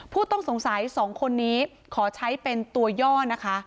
ผู้ต้องสงสัย๒คนนี้ขอใช้เป็นตัวย่อนะคะ